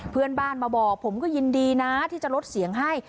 เพื่อนบ้านมาบอกผมก็ยินดีนะที่จะลดเสียงให้